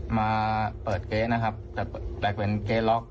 มาเปิดเกร็ดนะครับแปลกเป็นเกร็ดล็อก